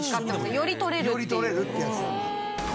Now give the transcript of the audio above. より取れるってやつなんだ。